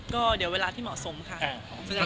ก็เดี๋ยวเวลาที่เหมาะสมค่ะ